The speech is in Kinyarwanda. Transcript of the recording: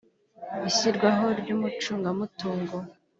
ishyirwaho ry umucungamutungo